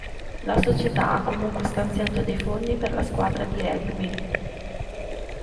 La società ha comunque stanziato dei fondi per la squadra di rugby.